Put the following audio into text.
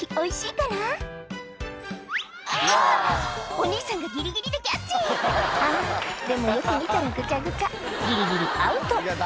お兄さんがギリギリでキャッチあぁでもよく見たらぐちゃぐちゃギリギリアウト「